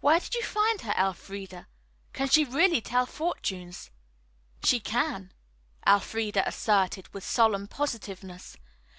"Where did you find her, Elfreda? Can she really tell fortunes?" "She can," Elfreda asserted with solemn positiveness.